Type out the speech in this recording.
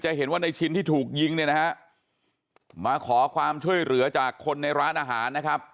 จะเห็นว่าในชิ้นที่ถูกยิงมาขอความช่วยเหลือจากคนในร้านอาหาร